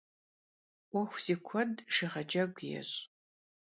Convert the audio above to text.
'Uexu zi kued şşığecegu yêş'.